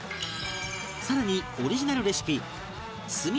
さらにオリジナルレシピ酢味